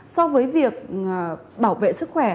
so với việc bảo vệ sức khỏe